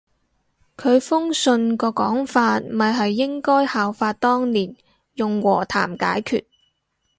佢封信個講法咪係應該效法當年用和談解決